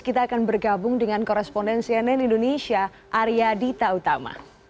kita akan bergabung dengan koresponden cnn indonesia arya dita utama